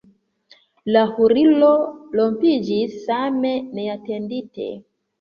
La hurlo rompiĝis same neatendite.